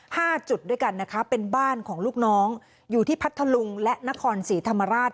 ห้าจุดด้วยกันนะคะเป็นบ้านของลูกน้องอยู่ที่พัทธลุงและนครศรีธรรมราช